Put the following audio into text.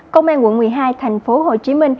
công an quận một mươi hai tp hcm